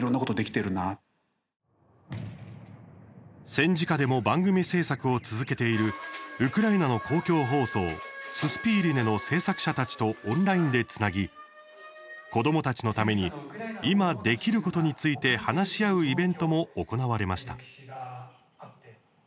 戦時下でも番組制作を続けているウクライナの公共放送ススピーリネの制作者たちとオンラインでつなぎ子どもたちのために今、できることについて話し合うイベントも行われました。